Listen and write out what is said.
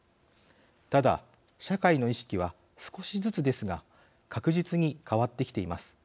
ただ社会の意識は少しずつですが確実に変わってきています。